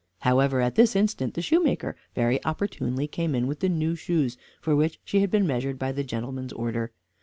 However, at this instant, the shoemaker very opportunely came in with the new shoes, for which she had been measured by the gentleman's order.